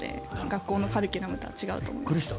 学校のカリキュラムとは違うと思うので。